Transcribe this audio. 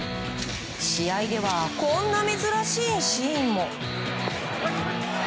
試合ではこんな珍しいシーンも。